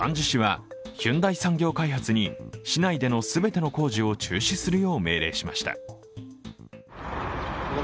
市はヒュンダイ産業開発に市内での全ての工事を中止するよう命令しました。